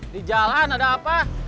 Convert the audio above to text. di jalan ada apa